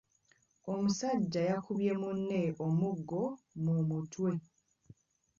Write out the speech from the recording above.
Omusajja yakubye munne omuggo mu mutwe.